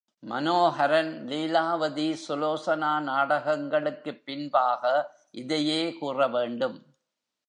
மனோஹரன், லீலாவதி சுலோசனா நாடகங்களுக்குப் பின்பாக இதையே கூற வேண்டும்.